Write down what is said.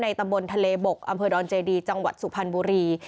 ตำบลทะเลบกอำเภอดอนเจดีจังหวัดสุพรรณบุรี